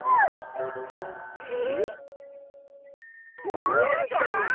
モールちゃん！？